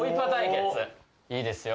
いいですよ。